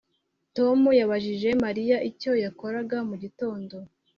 Tom yabajije Mariya icyo yakoraga mugitondo